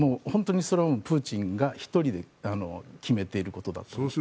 それはプーチンが１人で決めていることだと思います。